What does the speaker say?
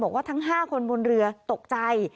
บอกว่าทั้ง๕คนบนเรือตกใจ